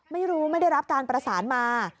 ไม่รู้ไม่ได้รับการประสานมา